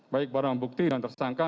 baik barang bukti dan tersangka